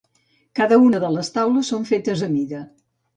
Cada una de les taules són fetes a mida.